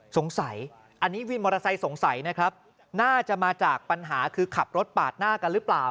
สงสัยอันนี้วินมอเตอร์ไซค์สงสัยนะครับน่าจะมาจากปัญหาคือขับรถปาดหน้ากันหรือเปล่า